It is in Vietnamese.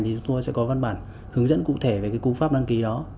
thì chúng tôi sẽ có văn bản hướng dẫn cụ thể về cung pháp đăng ký đó